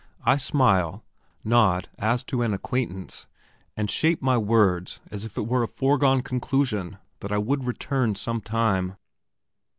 I smile, nod as to an acquaintance, and shape my words as if it were a foregone conclusion that I would return sometime.